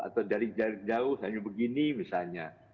atau dari jauh hanya begini misalnya